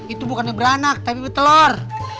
itu bukannya beranak tapi telur